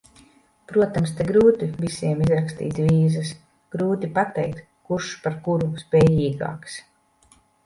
Protams, te grūti visiem izrakstīt vīzas, grūti pateikt, kurš par kuru spējīgāks.